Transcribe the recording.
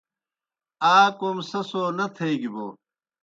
آ کوْم سہ سو نہ تھیگیْ بوْ